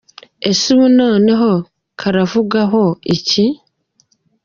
Ese ubu noneho karavugwaho iki ?.